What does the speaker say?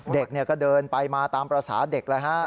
เด็กก็เดินไปมาตามประสาทเด็กว่านะฮะ